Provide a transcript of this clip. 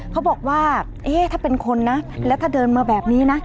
เขาบอกว่าเอ๊ะถ้าเป็นคนนะแล้วถ้าเดินมาแบบนี้นะ